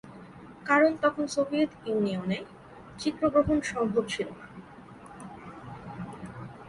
কারণ তখন সোভিয়েত ইউনিয়নে চিত্রগ্রহণ সম্ভব ছিল না।